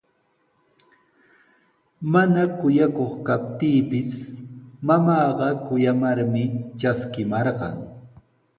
Mana kuyakuq kaptiipis mamaaqa kuyamarmi traskimarqan.